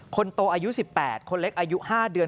คนโตอายุ๑๘คนเล็กอายุ๕เดือน